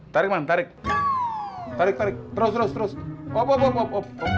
ferman tarik tarik terusouv